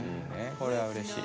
これはうれしい。